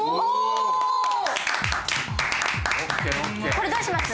これどうします？